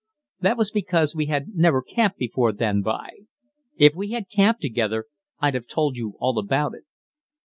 "That was because we had never camped together then, b'y. If we had camped together, I'd have told you all about it.